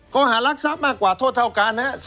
เขาหารักษัพมากกว่าทถกัน